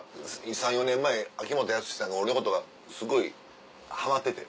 ３４年前秋元康さんが俺のことがすごいハマっててん。